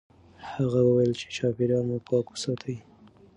هغه وویل چې چاپیریال مو پاک وساتئ.